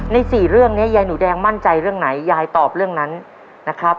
สี่เรื่องนี้ยายหนูแดงมั่นใจเรื่องไหนยายตอบเรื่องนั้นนะครับ